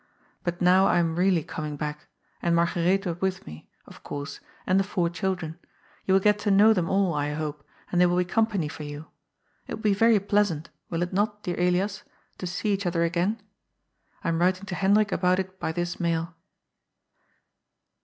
But now I am really coming back, and Margaretha with me, of course, and the four children. You will get to know them all, I hope, and they will be company for you. It will be very pleasant — ^will it not, dear EUas ?— ^to see each other again. I am writing to Hendrik about it by this mail."